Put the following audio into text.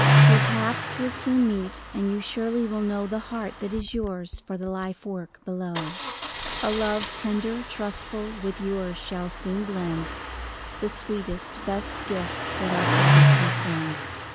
Your paths will soon meet, and you surely will know The heart that is yours for the life work below ; A love tender, trustful, with yours shall soon blend, — The sweetest, best gift that our Father can send.